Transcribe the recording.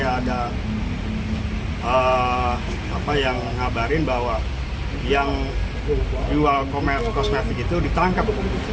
ada yang mengabarin bahwa yang jual kosmetik itu ditangkap